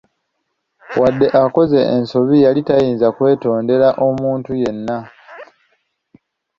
Wadde akoze ensobi yali tayinza kwetondera omuntu yenna!